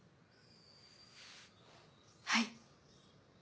はい。